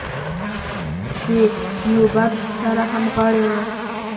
د دیوبند سره همغاړې وه.